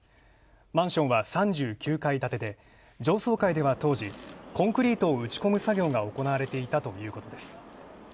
マンションは３９階建てで上層階では当時、コンクリートを打ち込む作業が行われていたということです。